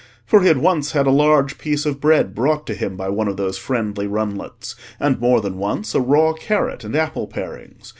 For he had once had a large piece of bread brought to him by one of those friendly runlets, and more than once a raw carrot and apple parings.